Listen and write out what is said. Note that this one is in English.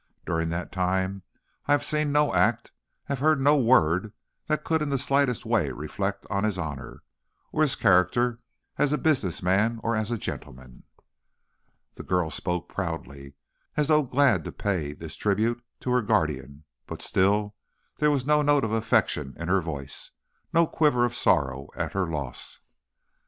During that time, I have seen no act, have heard no word that could in the slightest way reflect on his honor or his character as a business man or as a gentleman." The girl spoke proudly, as though glad to pay this tribute to her guardian, but still, there was no note of affection in her voice, no quiver of sorrow at her loss.